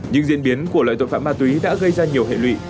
những diễn biến của loại tội phạm ma túy đã gây ra nhiều hệ lụy